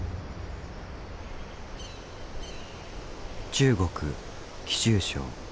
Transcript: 中国貴州省。